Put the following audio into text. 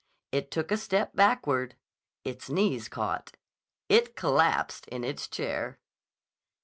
It took a step backward. Its knees caught. It collapsed in its chair.